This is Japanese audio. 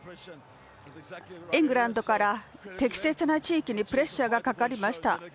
イングランドから適切な地域にプレッシャーがかかりました。